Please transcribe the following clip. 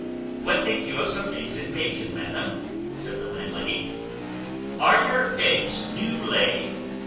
"What think you of some eggs and bacon, madam?" said the landlady. "Are your eggs new laid?